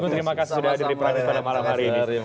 terima kasih sudah hadir di prime news pada malam hari ini